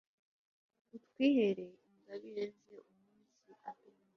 utwihera ingabire ze, umunsi aduha